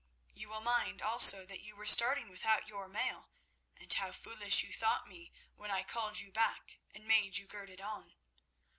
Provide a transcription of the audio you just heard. You will mind also that you were starting without your mail, and how foolish you thought me when I called you back and made you gird it on.